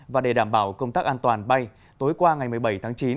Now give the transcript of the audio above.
và để đảm bảo công tác an toàn bay tối qua ngày một mươi bảy tháng chín